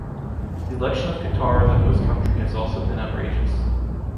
The election of Qatar as a host country has also been outrageous.